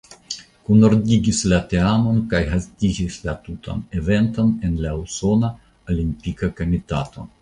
Kunordigis la teamon kaj gastigis la tutan eventon la Usona Olimpika Komitato.